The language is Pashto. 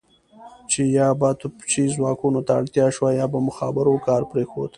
چې یا به توپچي ځواکونو ته اړتیا شوه یا به مخابرو کار پرېښود.